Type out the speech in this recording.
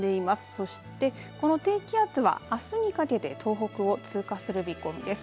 そしてこの低気圧はあすにかけて東北を通過する見込みです。